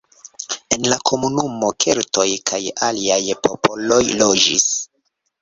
En la komunumo keltoj kaj aliaj popoloj loĝis.